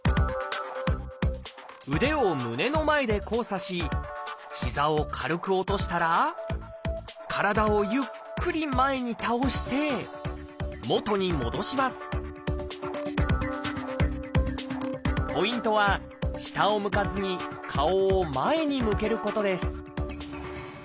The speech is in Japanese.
腕を胸の前で交差し膝を軽く落としたら体をゆっくり前に倒して元に戻しますポイントは下を向かずに顔を前に向けることです